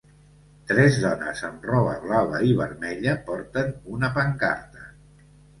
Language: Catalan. Tres dones amb roba blava i vermella porten una pancarta